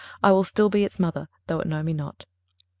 I will still be its mother, though it know me not.